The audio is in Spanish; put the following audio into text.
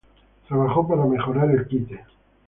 Trabajo para mejorar el quite.